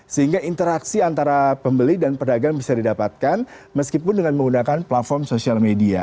sehingga interaksi antara pembeli dan pedagang bisa didapatkan meskipun dengan menggunakan platform sosial media